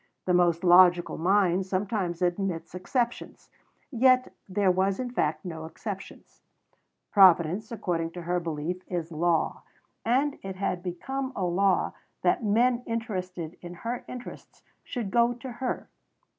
The most logical mind sometimes admits exceptions; yet there was in fact no exception. Providence, according to her belief, is Law; and it had become a law that men interested in her interests should go to her.